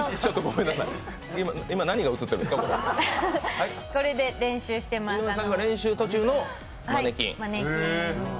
井上さん、練習途中のマネキン。